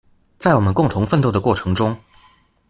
在我們共同奮鬥的過程中